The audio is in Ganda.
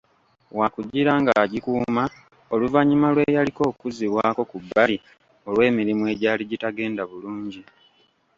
Wakugira ng'agikuuma oluvannyuma lw'eyaliko okuzzibwako ku bbali olw'emirimu egyali gitagenda bulungi.